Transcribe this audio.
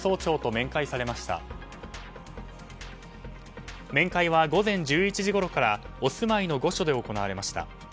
面会は午前１１時ごろからお住まいの御所で行われました。